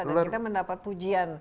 dan kita mendapat tujuan